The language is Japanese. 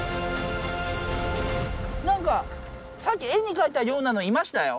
何かさっき絵に描いたようなのいましたよ。